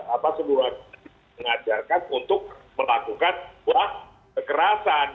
apa seluruh mengajarkan untuk melakukan sebuah kekerasan